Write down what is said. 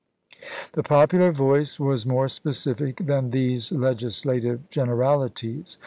The popular voice was more specific than these legislative generalities.